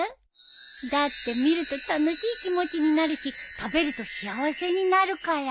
だって見ると楽しい気持ちになるし食べると幸せになるから。